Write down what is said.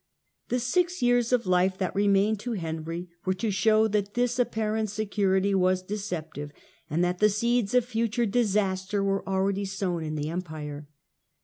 The six years of life that remained to Henry were to show that this apparent security was deceptive, and that the seeds of future disaster were already sown in the Empire.